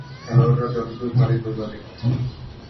খেলোয়াড়রা যতদূর পারে দৌড়াতে পারে।